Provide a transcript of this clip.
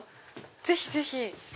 ぜひぜひ。